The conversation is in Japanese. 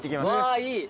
わあいい。